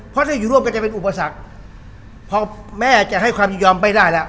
เพราะถ้าอยู่ร่วมกันจะเป็นอุปสรรคพอแม่จะให้ความยินยอมไม่ได้แล้ว